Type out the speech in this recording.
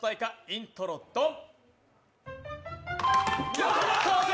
イントロ・ドン。